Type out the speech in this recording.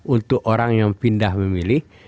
untuk orang yang pindah memilih